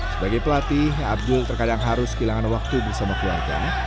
sebagai pelatih abdul terkadang harus kehilangan waktu bersama keluarga